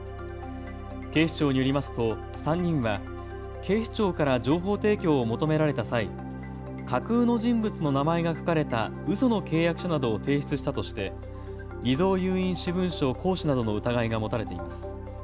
警視庁によりますと３人は警視庁から情報提供を求められた際、架空の人物の名前が書かれたうその契約書などを提出したとして偽造有印私文書行使などの疑いが持たれています。